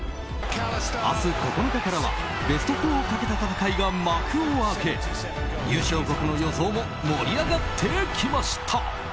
明日９日からはベスト４をかけた戦いが幕を開け優勝国の予想も盛り上がってきました。